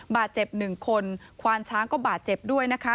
บาดเจ็บหนึ่งคนควานช้างก็บาดเจ็บด้วยนะคะ